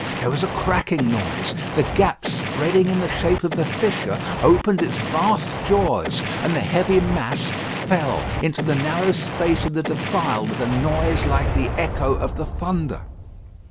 There was a cracking noise; the gap spreading in the shape of a fissure, opened its vast jaws, and the heavy mass fell into the narrow space of the defile with a noise like the echo of the thunder.